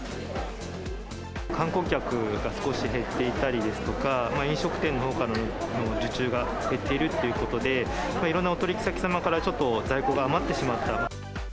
観光客が少し減っていたりですとか、飲食店のほうからの受注が減っているということで、いろんなお取り引き先様からちょっと在庫が余ってしまった。